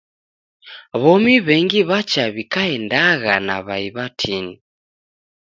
W'omi w'engi w'acha w'ikaendagha na w'ai w'atini.